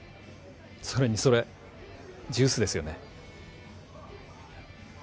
それにそれジュースですよね？